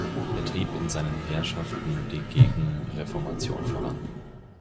Er trieb in seinen Herrschaften die Gegenreformation voran.